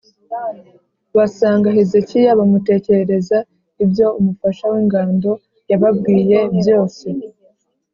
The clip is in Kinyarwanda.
basanga Hezekiya, bamutekerereza ibyo umufasha w’ingando yababwiye byose.